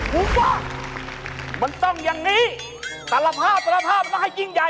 เดี๋ยววาดดิโอเค